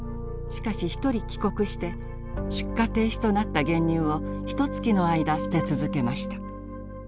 しかし一人帰国して出荷停止となった原乳をひとつきの間捨て続けました。